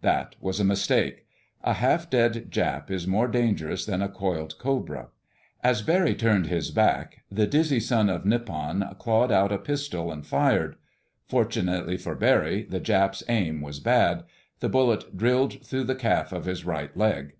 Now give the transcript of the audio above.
That was a mistake. A half dead Jap is more dangerous than a coiled cobra. As Barry turned his back the dizzy son of Nippon clawed out a pistol and fired. Fortunately for Barry the Jap's aim was bad. The bullet drilled through the calf of his right leg.